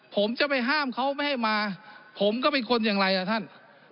ผมจะไปห้ามเขาไม่ให้มาผมก็เป็นคนอย่างไรล่ะท่าน